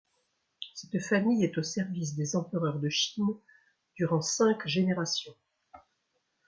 Cette famille est au service des empereurs de Chine durant cinq générations.